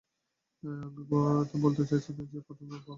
আমি বলতে চাইছি না যে, সে প্রথমে তাদের মারবে।